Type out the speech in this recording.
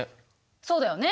そうだよね。